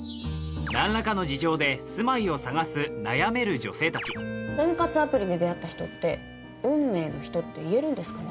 なんらかの事情で住まいをさがす悩める女性たち婚活アプリで出会った人って運命の人って言えるんですかね